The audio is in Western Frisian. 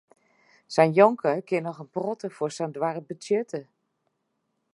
Sa'n jonker kin noch in protte foar sa'n doarp betsjutte.